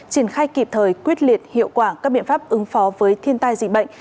triển khai kịp thời quyết liệt hiệu quả các biện pháp ứng phó với thiên tai dịch bệnh